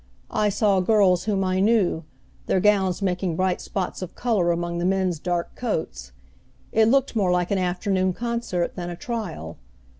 I saw girls whom I knew, their gowns making bright spots of color among the men's dark coats. It looked more like an afternoon concert than a trial.